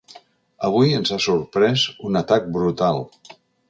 Avui ens ha sorprès un atac brutal.